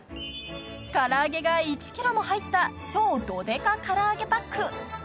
［唐揚げが１ｋｇも入った超どでか唐揚げパック］